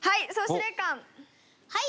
はい！